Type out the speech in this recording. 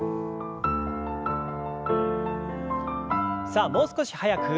さあもう少し速く。